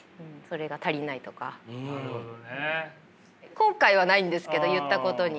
後悔はないんですけど言ったことに。